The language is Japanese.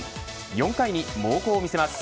４回に猛攻を見せます。